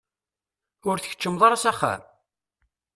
Ur tkeččmeḍ ara s axxam?